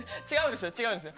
違うんですよ。